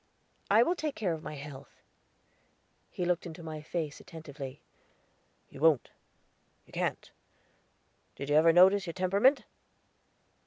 "I will take care of my health." He looked into my face attentively. "You wont you can't. Did you ever notice your temperament?"